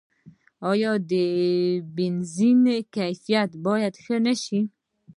آیا د بنزین کیفیت باید ښه نشي؟